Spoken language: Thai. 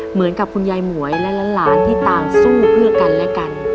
เหมือนกับคุณยายหมวยและหลานที่ต่างสู้เพื่อกันและกัน